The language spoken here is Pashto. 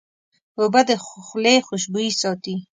اوبه د خولې خوشبویي ساتي.